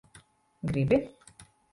Gribi?